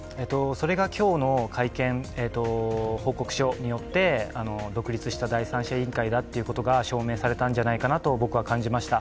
それが今日の会見、報告書によって独立した第三者委員会だということが証明されたんじゃないかなと僕は感じました。